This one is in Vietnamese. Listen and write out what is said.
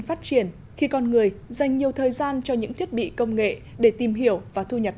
phát triển khi con người dành nhiều thời gian cho những thiết bị công nghệ để tìm hiểu và thu nhập